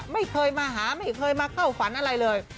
ไม่เคยมาหาไม่เคยมาเข้าฝันอะไรเลย